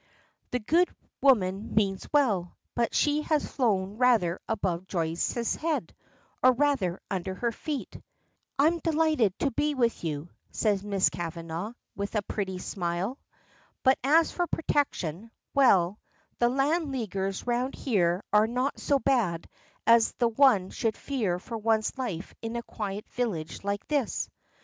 The good woman means well, but she has flown rather above Joyce's head, or rather under her feet. "I'm delighted to be with you," says Miss Kavanagh, with a pretty smile. "But as for protection well, the Land Leaguers round here are not so bad as that one should fear for one's life in a quiet village like this."